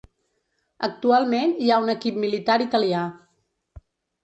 Actualment hi ha un equip militar italià.